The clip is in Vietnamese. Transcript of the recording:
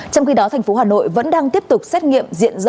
trong khi đó thành phố hà nội vẫn đang tiếp tục xét nghiệm diện rộng